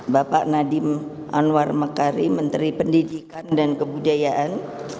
bapak nadiem anwar mekari menteri pendidikan dan kebudayaan